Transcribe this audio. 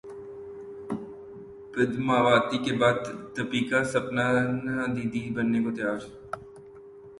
پدماوتی کے بعد دپیکا سپننا دی دی بننے کو تیار